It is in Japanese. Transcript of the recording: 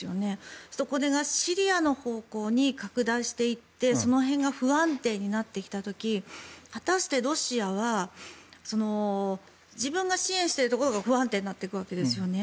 そこでシリアの方向に拡大していってその辺が不安定になってきた時果たして、ロシアは自分が支援しているところが不安定になっていくわけですよね。